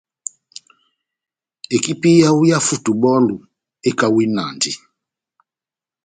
Ekipi yawu yá futubɔlu ekawinandi.